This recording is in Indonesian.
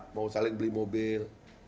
mau saling beli mobil